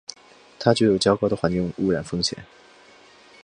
它具有较高的环境污染风险。